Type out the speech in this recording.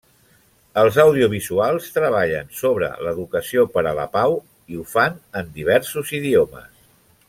Els audiovisuals treballen sobre l’educació per a la pau i ho fan en diversos idiomes.